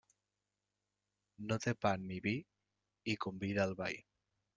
No té pa ni vi, i convida al veí.